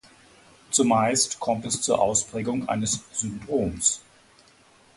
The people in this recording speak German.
Zumeist kommt es zur Ausprägung eines Syndroms.